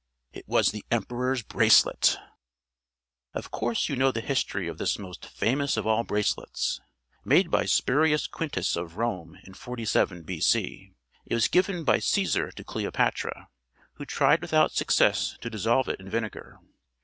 It was the Emperor's Bracelet! Of course you know the history of this most famous of all bracelets. Made by Spurius Quintus of Rome in 47 B. C., it was given by Cæsar to Cleopatra, who tried without success to dissolve it in vinegar.